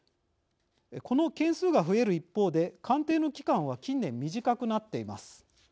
この件数が増える一方で鑑定の期間は近年、短くなっています。